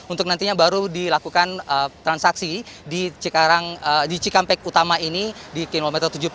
untuk nantinya baru dilakukan transaksi di cikampek utama ini di kilometer tujuh puluh